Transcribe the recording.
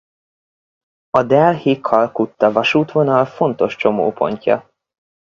A Delhi–Kalkutta vasútvonal fontos csomópontja.